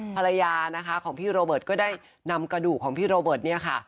ภรรยานะคะของพี่โรเบิร์ตก็ได้นำกระดูกของพี่โรเบิร์ตเนี่ยค่ะ